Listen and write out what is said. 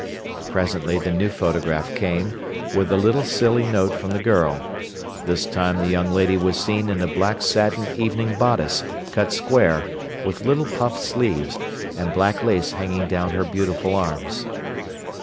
Presently the new photograph came, with a little silly note from the girl. This time the young lady was seen in a black satin evening bodice, cut square, with little puff sleeves, and black lace hanging down her beautiful arms.